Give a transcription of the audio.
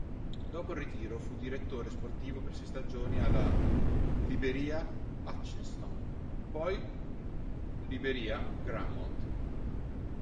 Dopo il ritiro fu direttore sportivo per sei stagioni alla Liberia-Hutchinson, poi Liberia-Grammont.